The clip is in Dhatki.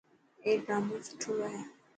اي ڊامون سٺو هي.